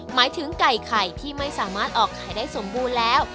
หมายถึงไก่ไข่ที่ไม่สามารถออกไข่ได้สมบูรณ์แล้ว